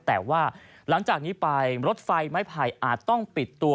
แต่ว่าหลังจากนี้ไปรถไฟไม้ไผ่อาจต้องปิดตัว